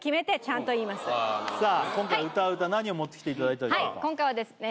もうさあ今回歌う歌何を持ってきていただいたでしょうか今回はですね